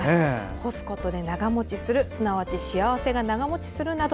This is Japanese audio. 干すことで長もちするすなわち幸せが長もちするなど